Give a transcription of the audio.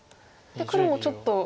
黒もちょっと。